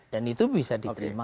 dan itu bisa diterima